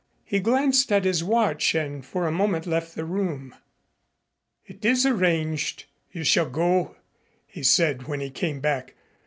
He glanced at his watch and for a moment left the room. "It is arranged. You shall go," he said when he came back.